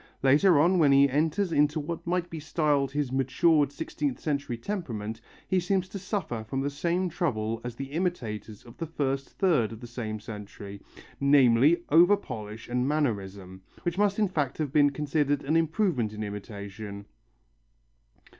Later on when he enters into what might be styled his matured sixteenth century temperament, he seems to suffer from the same trouble as the imitators of the first third of the said century, namely, over polish and mannerism, which must in fact have been considered an improvement in imitation.